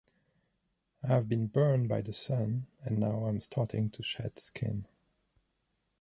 I have been burned by the sun and now im starting to shed skin.